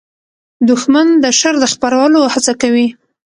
دښمن د شر د خپرولو هڅه کوي